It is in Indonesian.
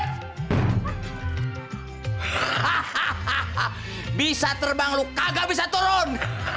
hahaha bisa terbang lu kagak bisa turun